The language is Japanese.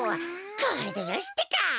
これでよしってか！